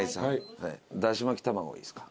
だし巻き卵いいっすか？